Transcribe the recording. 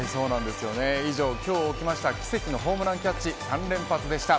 以上、今日起きました奇跡のホームランキャッチ３連発でした。